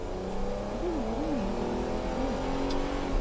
D awezɣi ad awḍeɣ ɣer din deg wakud.